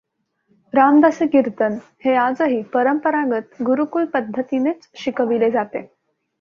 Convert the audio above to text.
रामदासी कीर्तन हे आजही परंपरागत गुरुकुल पद्धतीनेच शिकविले जाते.